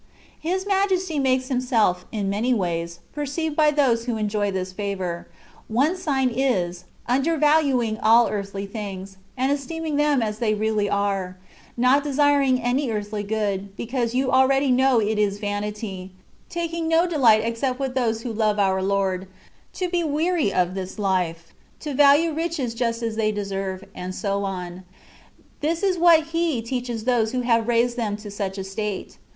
His Majesty makes Himself, in many ways, perceived by those who enjoy this favour. Chie 248 CONCEPTIONS OF DIVINE LOVE. sign is^ imdervaluing all earthly things^ and esteeming them as they really are ; not desiring any earthly good^ because you already know it is vanity; taking no delight except with those who love our Lord — to be weary of this life — ^to value riches just as they deserve, and so on. This is what He teaches those who have raised them to such a state.